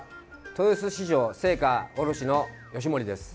豊洲市場青果卸の吉守です。